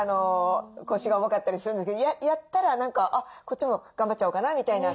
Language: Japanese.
腰が重かったりするんだけどやったら何かこっちも頑張っちゃおうかなみたいな。